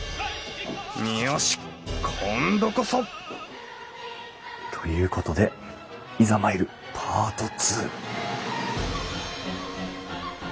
よし今度こそ！ということでいざ参るパート２。